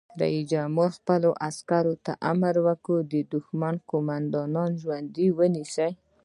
رئیس جمهور خپلو عسکرو ته امر وکړ؛ د دښمن قومندانان ژوندي ونیسئ!